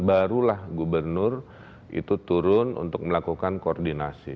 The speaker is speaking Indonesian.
barulah gubernur itu turun untuk melakukan koordinasi